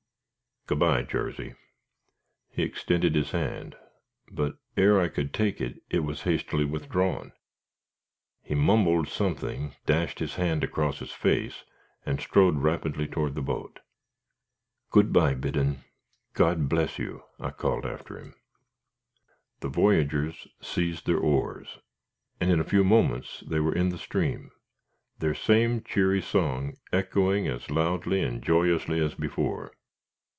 "Good by, Jarsey." He extended his hand, but ere I could take it it was hastily withdrawn. He mumbled something, dashed his hand across his face, and strode rapidly toward the boat. "Good by, Biddon. God bless you!" I called after him. The voyageurs seized their oars, and in a few moments they were in the stream, their same cheery song echoing as loudly and as joyously as before.